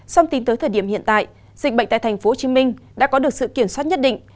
song tính tới thời điểm hiện tại dịch bệnh tại tp hcm đã có được sự kiểm soát nhất định